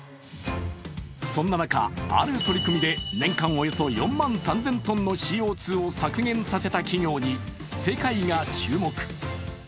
そんな中、ある取り組みで年間およそ４万３０００ｔのＣＯ２を削減させた企業に世界が注目